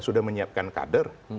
sudah menyiapkan kader